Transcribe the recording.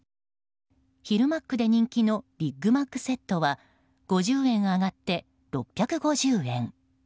昼マックで人気のビッグマックセットは５０円上がって６５０円。